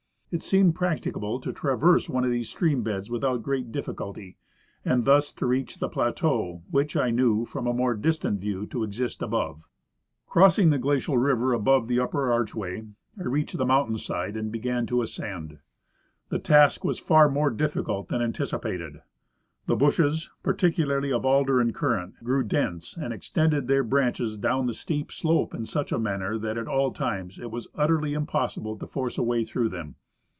It seemed practicable to traverse one of these stream beds without great difficulty, and thus to reach the plateau which I knew, from a more distant view, to exist above. , First View of St. Ellas. 91 Crossing the glacial river above the upper archway, I reached the mountain side and began to ascend. The task Avas far more difficult than anticipated. The bushes, principally of alder and currant, grew dense and extended their branches down the steep slope in such a manner that at times it was utterly impossible to force a way through them.